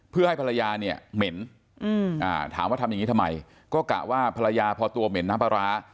เพื่อให้ภรรยาเนี่ยเหม็นถามว่าทำอย่างนี้ทำไมก็กะว่าภรรยาพอตัวเหม็นน้ำปลาร้า